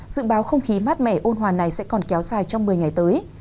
dự báo không khí mát mẻ ôn hòa này sẽ còn kéo dài trong một mươi ngày tới